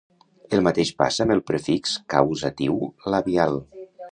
El mateix passa amb el prefix causatiu labial.